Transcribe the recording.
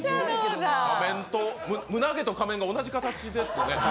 胸毛と仮面が同じ形ですね。